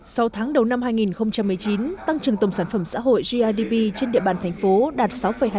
sau tháng đầu năm hai nghìn một mươi chín tăng trừng tổng sản phẩm xã hội grdp trên địa bàn thành phố đạt sáu hai mươi một